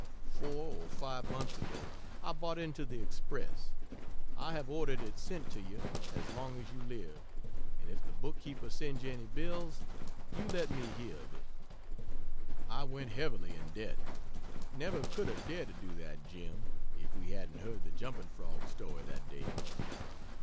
Four or five months ago I bought into the Express (I have ordered it sent to you as long as you live and if the book keeper sends you any bills, you let me hear of it.) I went heavily in debt never could have dared to do that, Jim, if we hadn't heard the jumping Frog story that day.